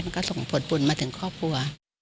ส่งผลบุญมาถึงครอบครัว